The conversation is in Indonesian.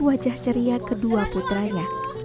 wajah ceria kedua putranya